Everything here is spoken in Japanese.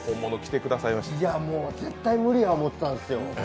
絶対無理だと思ってたんですよ。